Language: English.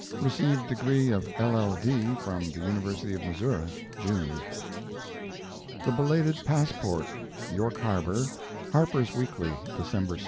Received degree of LL.D. from the University of Missouri, June. THE BELATED PASSPORT (York Harbor) Harper's Weekly, December 6.